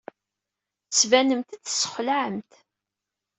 Tettbanemt-d tessexlaɛemt.